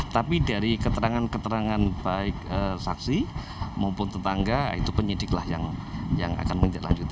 tapi dari keterangan keterangan baik saksi maupun tetangga itu penyidik yang akan mencari lanjut